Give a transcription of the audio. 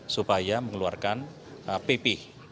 supaya mengeluarkan pp